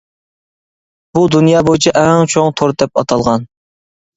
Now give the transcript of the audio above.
بۇ دۇنيا بويىچە ئەڭ چوڭ تورت دەپ ئاتالغان.